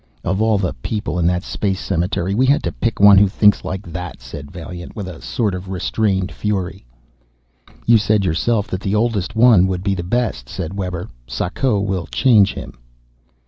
"Of all the people in that space cemetery, we had to pick one who thinks like that," said Vaillant, with a sort of restrained fury. "You said yourself that the oldest one would be the best," said Webber. "Sako will change him."